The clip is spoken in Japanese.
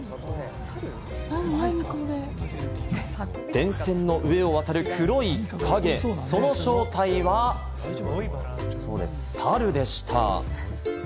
電線の上を渡る黒い影、その正体はそうです、サルでした。